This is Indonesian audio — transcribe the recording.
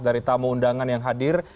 dari tamu undangan yang hadir